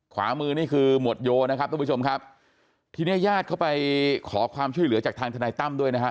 ขวามือนี่คือหมวดโยนะครับทุกผู้ชมครับทีเนี้ยญาติเขาไปขอความช่วยเหลือจากทางทนายตั้มด้วยนะฮะ